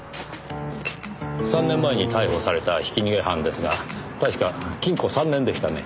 ３年前に逮捕されたひき逃げ犯ですが確か禁固３年でしたね。